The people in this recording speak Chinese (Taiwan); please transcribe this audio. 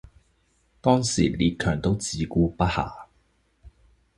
當時列強都自顧不暇